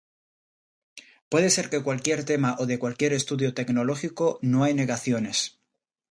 Puede ser de cualquier tema o de cualquier estudio tecnológico, no hay negaciones.